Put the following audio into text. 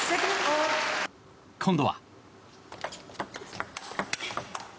今度は。